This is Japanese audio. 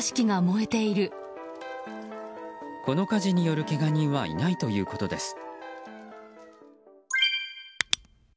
この火事によるけが人はいないということです。